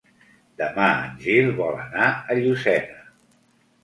Demà en Gil vol anar a Llucena.